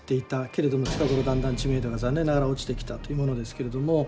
けれども近頃だんだん知名度が残念ながら落ちてきたというものですけれども。